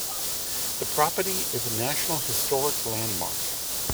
The property is a National Historic Landmark.